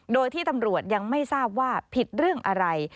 โดยที่ตำรวจยังไม่ทราบว่าผิดเรื่องอะไร